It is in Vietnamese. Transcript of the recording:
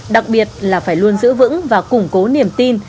đặc biệt là phải luôn giữ vững và củng cố niềm tin